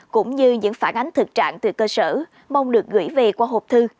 cũng như những phản ánh thực trạng từ cơ sở mong được gửi về qua hộp thư